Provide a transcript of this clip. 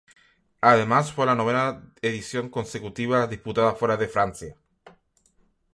Además fue la novena edición consecutiva disputada fuera de Francia.